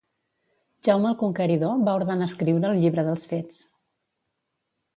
Jaume el Conqueridor va ordenar escriure el Llibre dels Fets.